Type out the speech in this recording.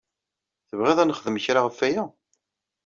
Tebɣiḍ ad nexdem kra ɣef waya?